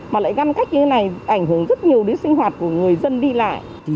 mà lại ngăn cách như thế này ảnh hưởng rất nhiều đến sinh hoạt của người dân đi lại